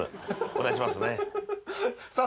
お願いしますねさあ